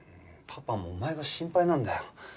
パパもお前が心配なんだよ。